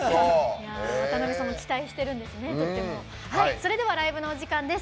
それではライブのお時間です。